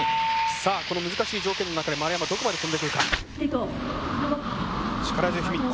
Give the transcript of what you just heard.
さあ、この難しい条件の中で丸山どこまで飛んでくるか。